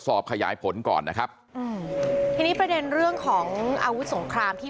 สอบขยายผลก่อนนะครับอืมทีนี้ประเด็นเรื่องของอาวุธสงครามที่